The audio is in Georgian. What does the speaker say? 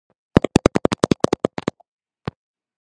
მარკუს ანტონიუსი ფულვიას მესამე ქმარი იყო.